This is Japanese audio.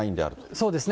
そうですね。